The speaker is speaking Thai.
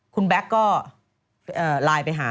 คุณแบ็คก็ไลน์ไปหา